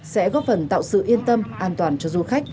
sẽ góp phần tạo sự yên tâm an toàn cho du khách